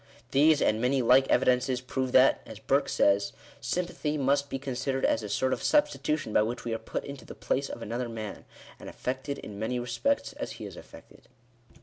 These and many like evidences prove that, as Burke says, " sympathy must be considered as a sort of substitution by which we are put into the place of another man, and affected in many respects as he is affected."